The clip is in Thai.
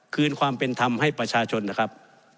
คืนความเป็นธรรมให้ประชาชนนะครับ